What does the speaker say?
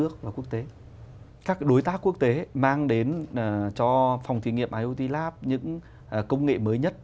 các đối tác quốc tế mang đến cho phòng thí nghiệm iot lap những công nghệ mới nhất